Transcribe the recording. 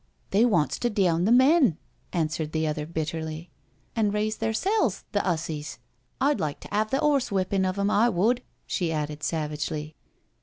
" They wants to deawn the men/' answered the other bitterly, *' and raise theirsel's, the 'ussies. I'd like to 'ave the 'orse whippin' of 'em, I would," she added savagely.